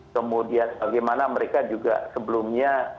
kemudian bagaimana mereka juga sebelumnya